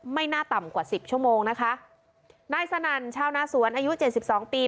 ไม่น่าต่ำกว่าสิบชั่วโมงนะคะนายสนั่นชาวนาสวนอายุเจ็ดสิบสองปี